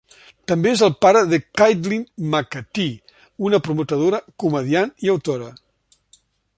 També és el pare de Caitlin Macatee, una prometedora comediant i autora.